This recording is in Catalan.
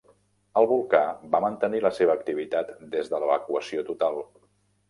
El volcà va mantenir la seva activitat des de l'evacuació total.